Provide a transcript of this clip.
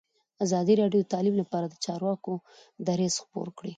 ازادي راډیو د تعلیم لپاره د چارواکو دریځ خپور کړی.